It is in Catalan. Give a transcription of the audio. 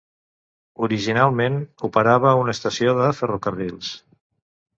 Originalment, operava una estació de ferrocarrils.